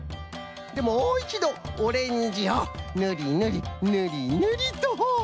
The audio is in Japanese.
でもういちどオレンジをぬりぬりぬりぬりと。